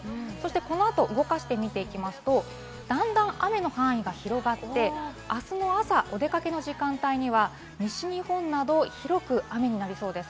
この後、動かして見ていきますと、だんだん雨の範囲が広がって明日の朝、お出かけの時間帯には、西日本など広く雨になりそうです。